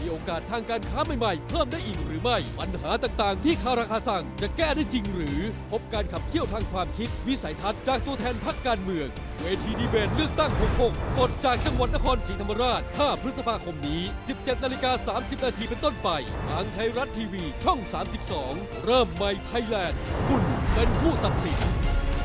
มีการให้มีการให้มีการให้มีการให้มีการให้มีการให้มีการให้มีการให้มีการให้มีการให้มีการให้มีการให้มีการให้มีการให้มีการให้มีการให้มีการให้มีการให้มีการให้มีการให้มีการให้มีการให้มีการให้มีการให้มีการให้มีการให้มีการให้มีการให้มีการให้มีการให้มีการให้มีการให้มีการให้มีการให้มีการให้มีการให้มีการให